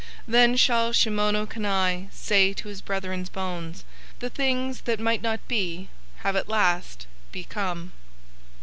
Then shall Shimono Kani say to his brethren's bones: The things that might not be have at last become.